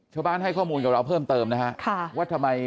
ชาวบ้านให้ข้อมูลกับเราเพิ่มเติมนะครับว่าทำไม